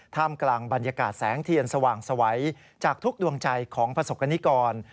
กลางบรรยากาศแสงเทียนสว่างสวัยจากทุกดวงใจของประสบกรณิกร